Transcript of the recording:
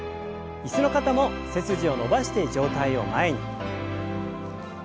椅子の方も背筋を伸ばして上体を前に。